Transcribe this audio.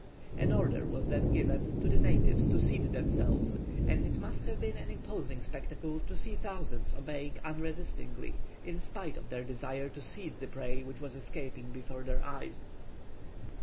An order was then given to the natives to seat themselves; and it must have been an imposing spectacle to see thousands obeying unresistingly, in spite of their desire to seize the prey which was escaping before their eyes.